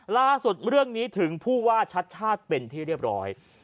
ล่าสุดเรื่องนี้ถึงผู้ว่าชัดชาติเป็นที่เรียบร้อย